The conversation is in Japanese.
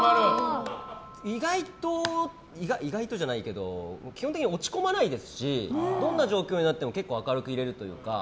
意外と意外とじゃないけど基本的に落ち込まないですしどんな状況になっても結構明るくいれるというか。